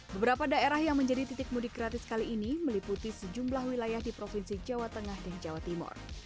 beberapa daerah yang menjadi titik mudik gratis kali ini meliputi sejumlah wilayah di provinsi jawa tengah dan jawa timur